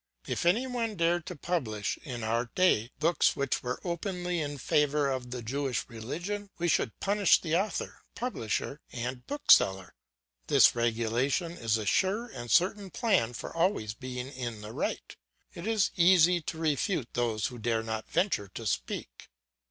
If any one dared to publish in our day books which were openly in favour of the Jewish religion, we should punish the author, publisher, and bookseller. This regulation is a sure and certain plan for always being in the right. It is easy to refute those who dare not venture to speak.